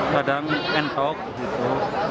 kadang entok gitu